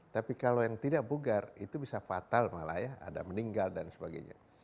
tapi kalau yang tidak bugar itu bisa fatal malah ya ada meninggal dan sebagainya